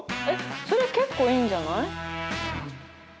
えっそれ結構いいんじゃない？